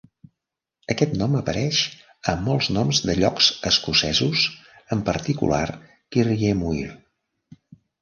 Aquest nom apareix a molts noms de llocs escocesos, en particular Kirriemuir.